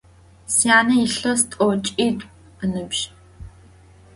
Syane yilhes t'oç'it'u ınıbj.